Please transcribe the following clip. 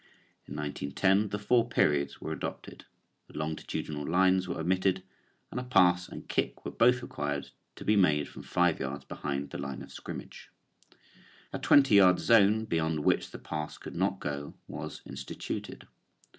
In 1910 the four periods were adopted, the longitudinal lines were omitted, and a pass and kick were both required to be made from five yards behind the line of scrimmage. A twenty yard zone beyond which the pass could not go was instituted.